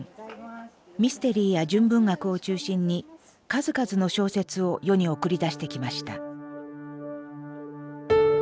ミステリーや純文学を中心に数々の小説を世に送り出してきました。